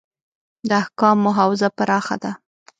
د احکامو حوزه پراخه ده.